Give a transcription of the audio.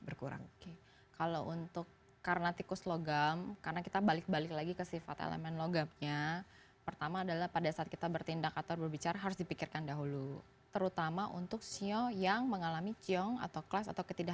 berkurang kalau untuk karena tikus logam karena kita balik balik lagi ke sifat elemen logam nya pertama adalah pada saat kita bertindak atau berbicara harus dipikirkan dalam hal hal yang paling keren kepada kita dan sehingga hal hal yang paling jelas itu sangat baik dan yang paling mudah